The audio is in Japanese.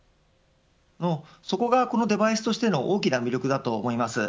そこがこのデバイスとしての大きな魅力だと思います。